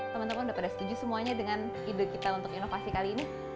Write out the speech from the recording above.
teman teman udah pada setuju semuanya dengan ide kita untuk inovasi kali ini